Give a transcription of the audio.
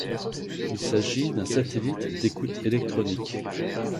Il s'agit d'un satellite d'écoute électronique.